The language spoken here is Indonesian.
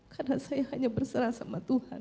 karena saya hanya berserah sama tuhan